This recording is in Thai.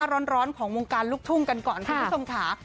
ร้อนร้อนของวงการลูกทุ่งกันก่อนค่ะคุณผู้ชมขา